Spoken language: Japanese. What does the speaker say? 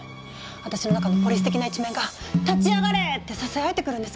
私の中のポリス的な一面が「立ち上がれ！」ってささやいてくるんですけど。